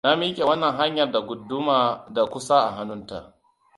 Ta miƙe wannan hanyar, da guduma da ƙusa a hannunta.